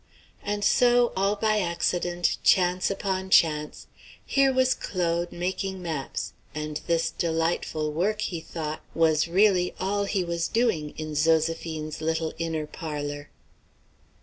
And so, all by accident, chance upon chance, here was Claude making maps; and this delightful work, he thought, was really all he was doing, in Zoséphine's little inner parlor.